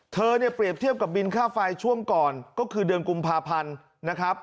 เธอเนี่ยเปรียบเทียบกับบินค่าไฟช่วงก่อนก็คือเดือนกุมภาพันธ์นะครับ